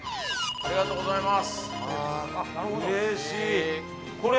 ありがとうございます。